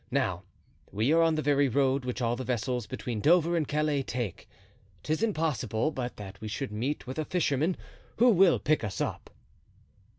Now we are on the very road which all the vessels between Dover and Calais take, 'tis impossible but that we should meet with a fisherman who will pick us up."